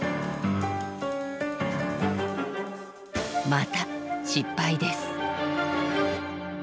また失敗です。